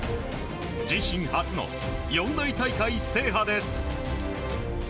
自身初の４大大会制覇です。